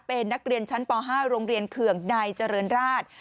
เป็นนักเรียนชั้นป๕โรงเรียนเขื่องในเจริญราช